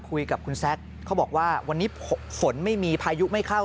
คุยกับคุณแซคเขาบอกว่าวันนี้ฝนไม่มีพายุไม่เข้า